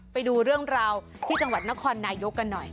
ไปดูเรื่องราวที่จังหวัดนครนายกกันหน่อย